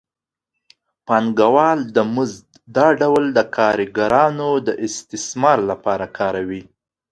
پانګوال د مزد دا ډول د کارګرانو د استثمار لپاره کاروي